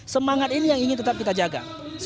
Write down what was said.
semangat ini yang ingin tetap kita jaga